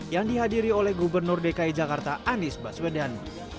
yang dihadiri oleh gubernur dki jakarta anies baswedan